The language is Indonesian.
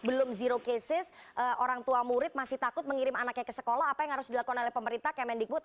belum zero cases orang tua murid masih takut mengirim anaknya ke sekolah apa yang harus dilakukan oleh pemerintah kemendikbud